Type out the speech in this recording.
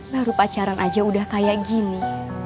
baru pacaran aja udah kayak gini